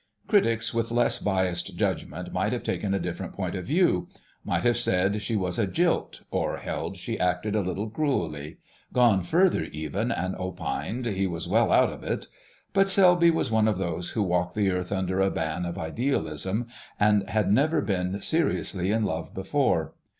Critics with less biassed judgment might have taken a different point of view: might have said she was a jilt, or held she acted a little cruelly: gone further, even, and opined he was well out of it. But Selby was one of those who walk the earth under a ban of idealism and had never been seriously in love before.